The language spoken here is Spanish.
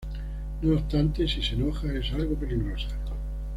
No obstante, si se enoja es algo peligrosa.